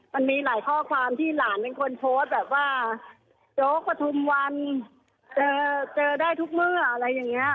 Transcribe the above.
มันมีหลายข้อความที่หลานเป็นคนโพสต์แบบว่าโจ๊กประทุมวันเจอเจอได้ทุกเมื่ออะไรอย่างนี้